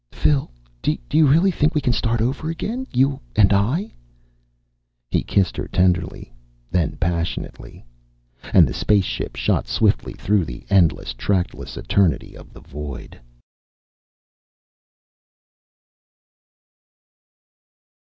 "Phil ... do you really think we can start over again you and I?" He kissed her tenderly, then passionately. And the spaceship shot swiftly through the endless, trackless eternity of the void....